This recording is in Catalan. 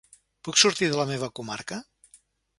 Puc sortir de la meva comarca?